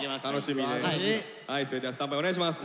それではスタンバイお願いします。